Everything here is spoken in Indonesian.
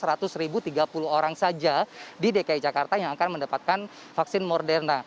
ini adalah sebagian dari sekitar seratus orang saja di dki jakarta yang akan mendapatkan vaksin moderna